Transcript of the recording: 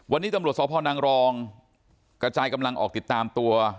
วันนี้ตำรวจสพนังรองกระจายกำลังออกติดตามตัว